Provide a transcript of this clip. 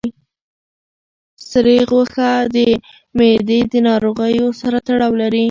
سرې غوښه د معدې د ناروغیو سره تړاو لري.